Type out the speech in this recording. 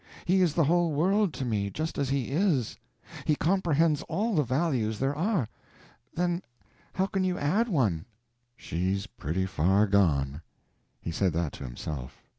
He is the whole world to me, just as he is; he comprehends all the values there are—then how can you add one?" "She's pretty far gone." He said that to himself.